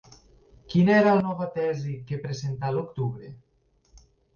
Quina era la nova tesi que presentà a l'octubre?